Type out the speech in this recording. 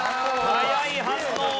早い反応！